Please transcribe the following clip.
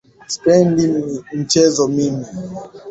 Sipendi mchezo mimi.